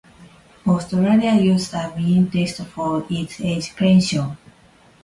Australia uses a means test for its Age Pension.